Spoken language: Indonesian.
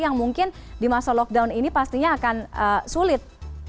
yang mungkin di masa lockdown ini pastinya akan sulit